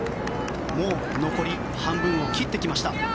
もう残り半分を切ってきました。